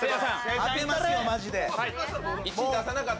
当てますよ、マジで。